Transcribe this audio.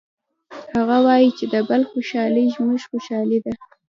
هغه وایي چې د بل خوشحالي زموږ خوشحالي ده